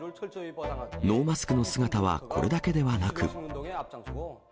ノーマスクの姿はこれだけではなく。